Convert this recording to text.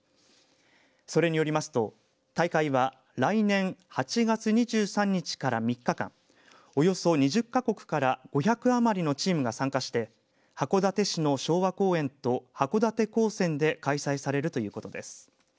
それによりますと大会は来年８月２３日から３日間およそ２０か国から５００余りのチームが参加して函館市の昭和公園と函館高専で開催されるということです。